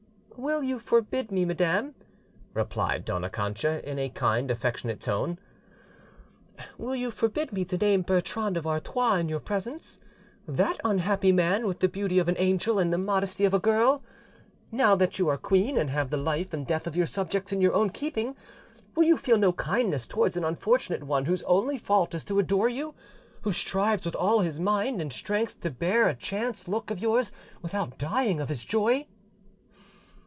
"Will you forbid me, madam," replied Dona Cancha in a kind, affectionate tone—"will you forbid me to name Bertrand of Artois in your presence, that unhappy man, with the beauty of an angel and the modesty of a girl? Now that you are queen and have the life and death of your subjects in your own keeping, will you feel no kindness towards an unfortunate one whose only fault is to adore you, who strives with all his mind and strength to bear a chance look of yours without dying of his joy?"